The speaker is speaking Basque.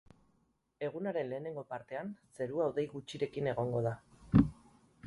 Egunaren lehenengo partean zerua hodei gutxirekin egongo da.